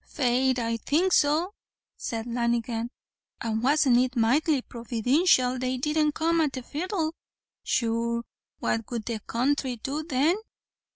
"Faith I think so," said Lanigan; "and wasn't it mighty providintial they didn't come at the fiddle; sure what would the counthry do then?"